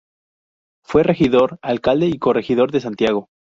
Fue Regidor, Alcalde y corregidor de Santiago.